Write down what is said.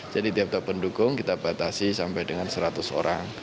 jadi tiap tiap pendukung kita batasi sampai dengan seratus orang